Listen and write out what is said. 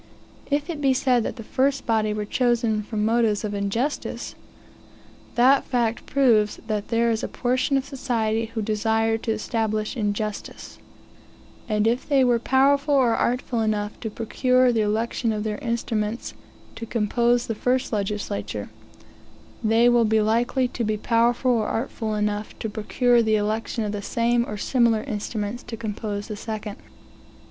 If it be said that the first body were chosen from motives of injustice, that fact proves that there is a portion of society who desire to establish injustice; and if they were powerful or artful enough to procure the election of their instruments to compose the first legislature, they will be likely to be powerful or artful enough to procure the election of the same or similar instruments to compose the second.